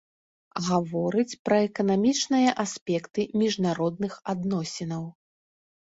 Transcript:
Гаворыць пра эканамічныя аспекты міжнародных адносінаў.